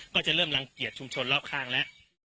ก็จะเริ่มรังเกียจชุมชนรอบข้างแล้ว